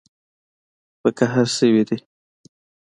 په قهر شوي دي